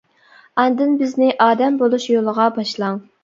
ئاندىن بىزنى ئادەم بولۇش يولىغا باشلاڭ!